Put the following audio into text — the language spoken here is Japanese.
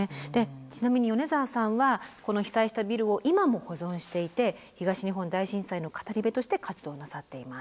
ちなみに米沢さんはこの被災したビルを今も保存していて東日本大震災の語り部として活動なさっています。